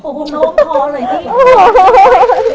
โอ้โหโน้มพอเลยที่